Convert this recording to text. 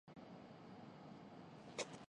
شمالی یورپ